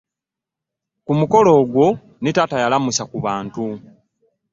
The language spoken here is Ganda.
Ku mukolo ogwo ne taata yalamusa ku bantu.